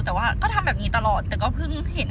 แต่ว่าก็ทำแบบนี้ตลอดแต่ก็เพิ่งเห็น